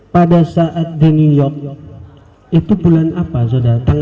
pada saat di new york itu bulan apa saudara